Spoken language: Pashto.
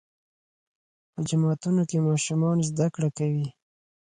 په جوماتونو کې ماشومان زده کړه کوي.